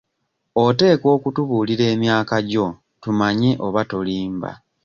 Oteekwa okutubuulira emyaka gyo tumanye oba tolimba.